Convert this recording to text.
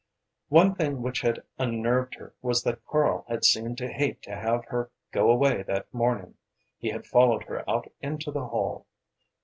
One thing which had unnerved her was that Karl had seemed to hate to have her go away that morning. He had followed her out into the hall.